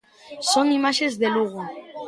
Son imaxes de Lugo.